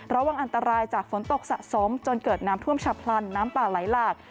ระวังอันตรายจากฝนตกสะสมจนเกิดน้ำท่วมฉับพลันน้ำป่าไหลหลาก